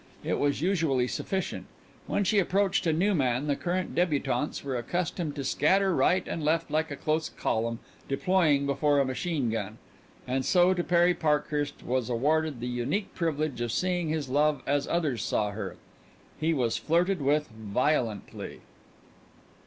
It was usually sufficient. When she approached a new man the current débutantes were accustomed to scatter right and left like a close column deploying before a machine gun. And so to Perry Parkhurst was awarded the unique privilege of seeing his love as others saw her. He was flirted with violently!